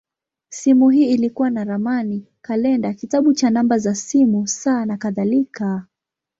Simu hii ilikuwa na ramani, kalenda, kitabu cha namba za simu, saa, nakadhalika.